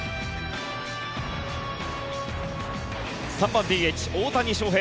３番ＤＨ、大谷翔平。